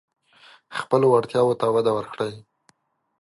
خپلو وړتیاوو ته وده ورکړئ.